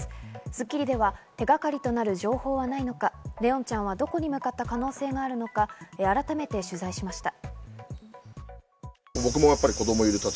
『スッキリ』では手掛かりとなる情報はないのか、怜音ちゃんはどこに向かう可能性があるのか、改めて取材しました。